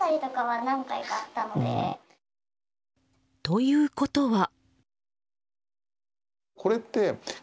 ということは。